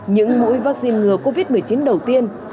những mũi vaccine ngừa covid một mươi chín đầu tiên